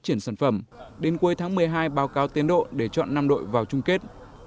triển sản phẩm đến cuối tháng một mươi hai báo cáo tiến độ để chọn năm đội vào chung kết